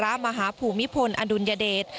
พระบาทสมเด็จพระปรมินทรมาฮภูมิพลอดุลยเดช